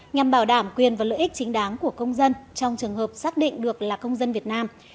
nhằm bảo đảm quyền và lợi ích chính đáng của công dân trong trường hợp xác định được là công dân việt nam